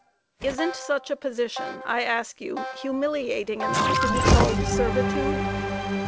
Isn't such a position, I ask you, humiliating enough to be called "servitude?"